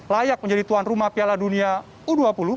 layak menjadi tuan rumah piala dunia u dua puluh